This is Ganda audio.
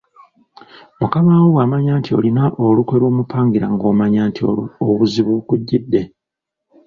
Mukama wo bw’amanya nti olina olukwe lw’omupangira ng’omanya nti obuzibu bukujjidde.